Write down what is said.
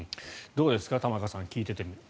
どうですか玉川さん聞いていて。